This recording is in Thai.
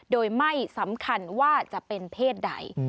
โดยไม่สำคัญว่าจะเป็นเพศใด